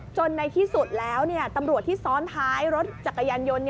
ในที่สุดแล้วตำรวจที่ซ้อนท้ายรถจักรยานยนต์